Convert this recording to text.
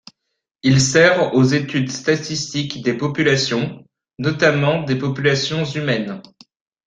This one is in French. Il sert aux études statistiques des populations, notamment des populations humaines.